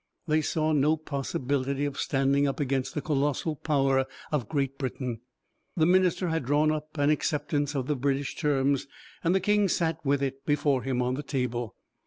They saw no possibility of standing up against the colossal power of Great Britain. The Minister had drawn up an acceptance of the British terms, and the King sat with it before him on the table.